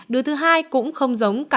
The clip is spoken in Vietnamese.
đứa thứ hai cũng không giống cảm nhận